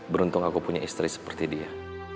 beruntung aku punya istri seperti dia